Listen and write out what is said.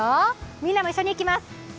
みんなも一緒にいきます。